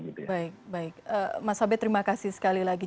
baik baik mas abed terima kasih sekali lagi